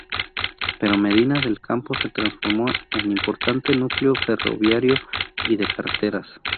Pero Medina del Campo se transformó en importante núcleo ferroviario y de carreteras.